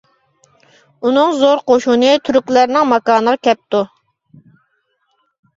ئۇنىڭ زور قوشۇنى تۈركلەرنىڭ ماكانىغا كەپتۇ.